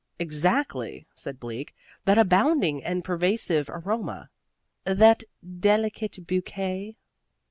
"Exactly," said Bleak. "That abounding and pervasive aroma " "That delicate bouquet